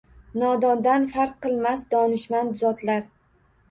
Nodondan farq qilmas donishmand zotlar